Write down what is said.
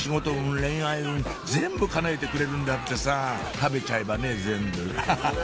恋愛運全部かなえてくれるんだってさ食べちゃえばね全部ハハハハ！